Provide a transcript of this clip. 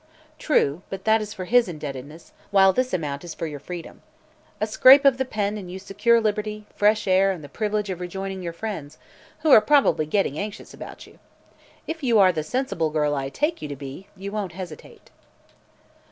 "True; but that is for his indebtedness, while this amount is for your freedom. A scrape of the pen and you secure liberty, fresh air and the privilege of rejoining your friends, who are probably getting anxious about you. If you are the sensible girl I take you to be, you won't hesitate."